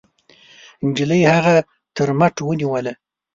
نجلۍ هغه تر مټ ونيوله.